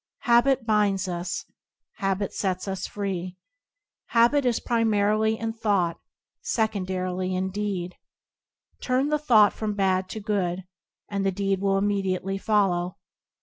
Habit binds us; habit sets us free. Habit is primarily in thought, secondarily in deed. Turn the thought from bad to good, and the deed will immediately follow.